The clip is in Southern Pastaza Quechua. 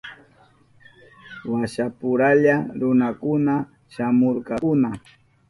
Washapuralla runakuna shamurkakuna.